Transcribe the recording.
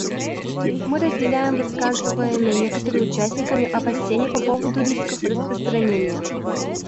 Мы разделяем высказываемые некоторыми участниками опасения по поводу рисков распространения.